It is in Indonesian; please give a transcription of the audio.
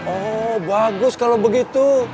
oh bagus kalau begitu